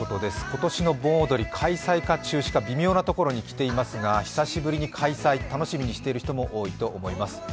今年の盆踊り、開催か中止か微妙なところにきていますが久しぶりに開催、楽しみにしている人も多いと思います。